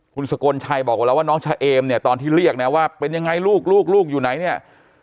คุณสกลชัยบอกกับเราว่าน้องชะเอมเนี่ยตอนที่เรียกนะว่าเป็นยังไงลูกลูกอยู่ไหนเนี่ย